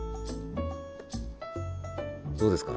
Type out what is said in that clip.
どうですか？